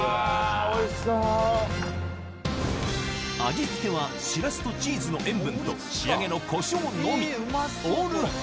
味付けはシラスとチーズの塩分と仕上げのコショウのみオール春